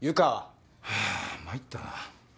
はぁ参ったな。